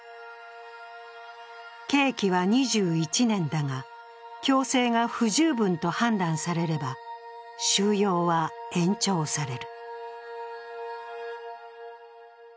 刑期は２１年だが、矯正が不十分と判断されれば収容は延長される。